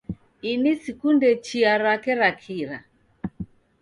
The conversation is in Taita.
Ini sikunde chia rake ra kira.